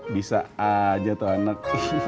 bisa aja tuh anak